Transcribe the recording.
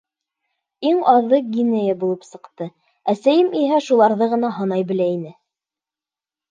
Иң аҙы гинея булып сыҡты, әсәйем иһә шуларҙы ғына һанай белә ине.